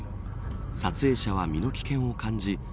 撮影者は身の危険を感じ